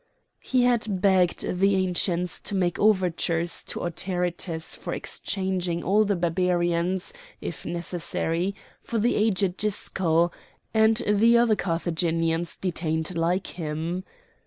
He had begged the Ancients to make overtures to Autaritus for exchanging all the Barbarians, if necessary, for the aged Gisco, and the other Carthaginians detained like him.